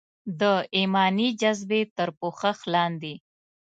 د ایماني جذبې تر پوښښ لاندې.